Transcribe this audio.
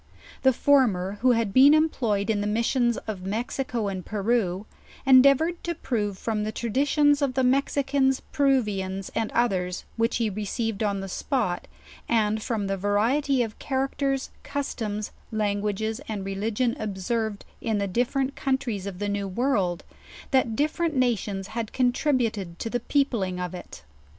The former, who had been employ ed in the missions of Mexico and Peru, endeavored to prove from the traditions of the Mexicans, Peruvians, and others which he received on the spot, and from the variety of char acters, customs, languages and religion observed in the dif ferent countries of the New World, that different nations had contributed to the peopling of it.